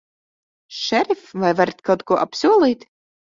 Šerif, vai varat kaut ko apsolīt?